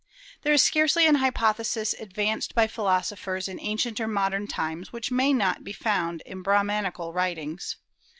There is scarcely an hypothesis advanced by philosophers in ancient or modern times, which may not be found in the Brahmanical writings.